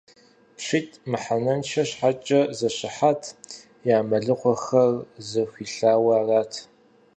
ПщитӀ мыхьэнэншэ щхьэкӀэ зэщыхьат: я мэлыхъуэхэр зэхуилъауэ арат.